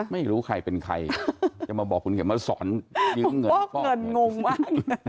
ไม่รู้ใครเป็นใครจะมาบอกคุณเข็มมาสอนยืมเงินงงมาก